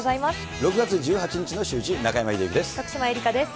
６月１８日のシューイチ、中山秀征です。